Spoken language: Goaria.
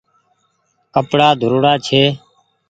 ڪپڙآ ڌوڙاڙا ڇي